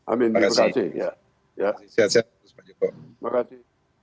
amin terima kasih